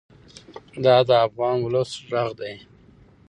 دا د افغان ولس غږ دی.